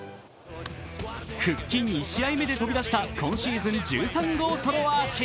復帰２試合目で飛び出した今シーズン１３号ソロアーチ。